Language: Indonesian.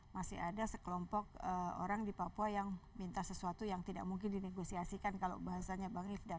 masih ada sekelompok orang di papua yang minta sesuatu yang tidak mungkin dinegosiasikan kalau bahasanya bang rifdal